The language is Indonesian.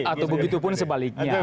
atau begitu pun sebaliknya